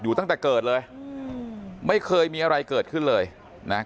ตั้งแต่เกิดเลยไม่เคยมีอะไรเกิดขึ้นเลยนะ